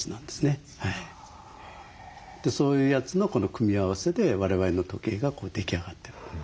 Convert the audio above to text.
そういうやつの組み合わせで我々の時計が出来上がってる。